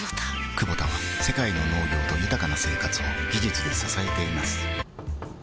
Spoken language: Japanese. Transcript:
クボタは世界の農業と豊かな生活を技術で支えています起きて。